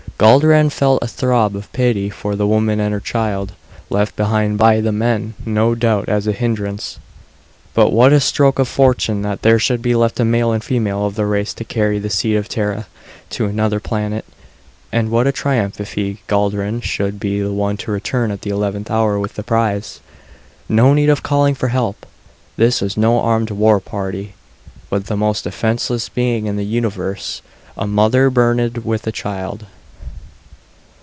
Guldran felt a throb of pity for the woman and her child, left behind by the men, no doubt, as a hindrance. But what a stroke of fortune that there should be left a male and female of the race to carry the seed of Terra to another planet. And what a triumph if he, Guldran, should be the one to return at the eleventh hour with the prize. No need of calling for help. This was no armed war party, but the most defenseless being in the Universe a mother burdened with a child.